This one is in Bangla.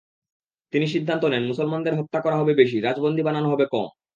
তিনি সিদ্ধান্ত নেন, মুসলমানদের হত্যা করা হবে বেশি, রাজবন্দি বানানো হবে কম।